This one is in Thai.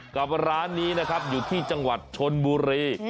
กับร้านนี้นะครับอยู่ที่จังหวัดชนบุรี